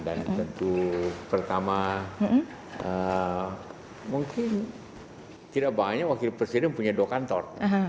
tentu pertama mungkin tidak banyak wakil presiden punya dua kantor